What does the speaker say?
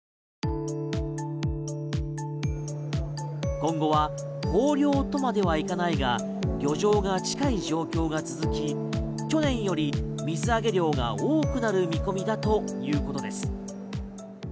今後は豊漁とまではいかないが漁場が近い状況が続き去年より水揚げ量が多くなる見込みだということです。